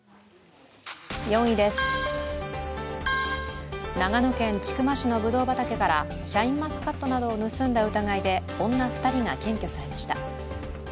４位です、長野県千曲市のぶどう畑からシャインマスカットなどを盗んだ疑いで女２人が検挙されました。